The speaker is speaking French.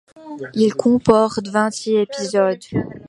Il comporte vingt-six épisodes.